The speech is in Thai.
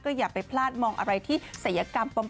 ก็อย่าไปพลาดมองอะไรที่เสียกรรม